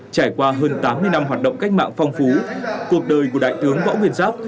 trải qua hơn tám mươi năm hoạt động cách mạng phong phú cuộc đời của đại tướng võ nguyên giáp